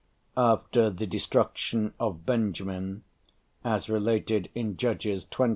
After the destruction of Benjamin, as related in Judges xx.